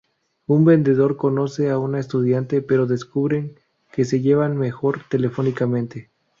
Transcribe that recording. Un vendedor conoce a una estudiante pero descubren que se llevan mejor telefónicamente.